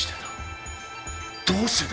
どうしてだ？